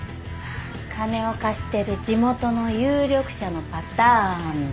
金を貸してる地元の有力者のパターンで。